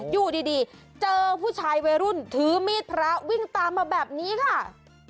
อยู่ดีเจอผู้ชายวัยรุ่นถือมีดพระวิ่งตามมาแบบนี้ค่ะ